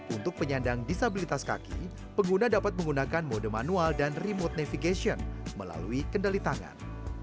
untuk penyandang disabilitas kaki pengguna dapat menggunakan mode manual dan remote navigation melalui kendali tangan